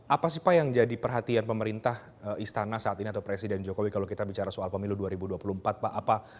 apa sih pak yang jadi perhatian pemerintah istana saat ini atau presiden jokowi kalau kita bicara soal pemilu dua ribu dua puluh empat pak